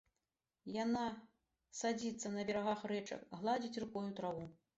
Яна садзіцца на берагах рэчак, гладзіць рукою траву.